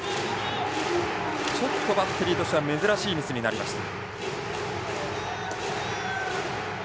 ちょっとバッテリーとしては珍しいミスになりました。